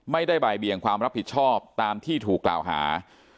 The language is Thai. ไม่ได้บ่ายเบียงความรับผิดชอบตามที่ถูกกล่าวหา